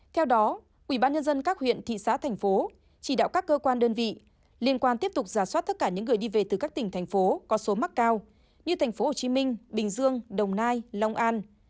theo đó ubnd các huyện thị xã thành phố chỉ đạo các cơ quan đơn vị liên quan tiếp tục giả soát tất cả những người đi về từ các tỉnh thành phố có số mắc cao như thành phố hồ chí minh bình dương đồng nai long an